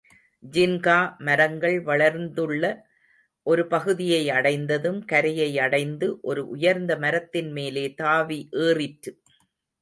ஜின்கா மரங்கள் வளர்ந்துள்ள ஒரு பகுதியை அடைந்ததும் கரையை அடைந்து, ஒரு உயர்ந்த மரத்தின் மேலே தாவி ஏறிற்று.